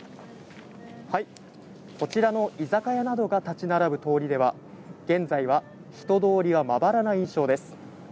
こちらの居酒屋などが建ち並ぶ通りでは、現在は人通りはまばらな印象です。